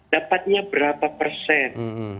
dapatnya berapa persen